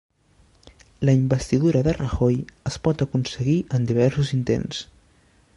La investidura de Rajoy es pot aconseguir en diversos intents